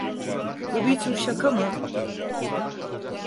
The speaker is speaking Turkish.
Bu bir tür şaka mı?